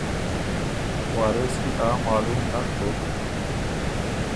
وارث کی آ معلوم نک بُک